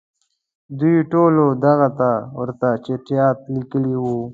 دوی ټولو دغه ته ورته چټیاټ لیکلي وو.